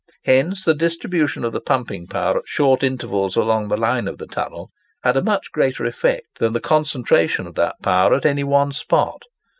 Hence the distribution of the pumping power at short intervals along the line of the tunnel had a much greater effect than the concentration of that power at any one spot.